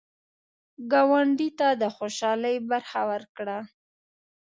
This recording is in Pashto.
ګاونډي ته د خوشحالۍ برخه ورکړه